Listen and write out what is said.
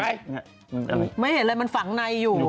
ม้ายังไม่เห็นอะไรมันฝังในอยู่